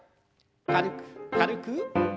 軽く軽く。